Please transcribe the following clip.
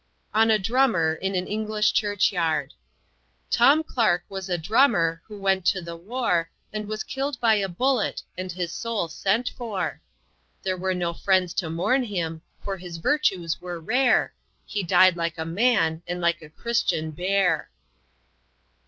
On a drummer, in an English church yard: "Tom Clark was a drummer, who went to the war, And was killed by a bullet, and his soul sent for; There were no friends to mourn him, for his virtues were rare, He died like a man, and like a Christian bear."